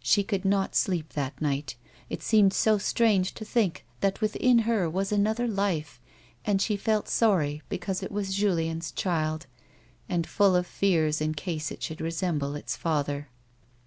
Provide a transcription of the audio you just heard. She could not sleep that night ; it seemed so strange to think that within her was another life, and she felt sorry because it was Julien's child, and full of fears in case it should resemble its father.